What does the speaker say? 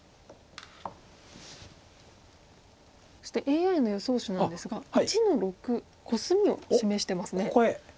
そしてＡＩの予想手なんですが１の六コスミを示してますね。